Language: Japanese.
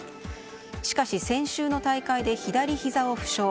しかし先週の大会で左ひざを負傷。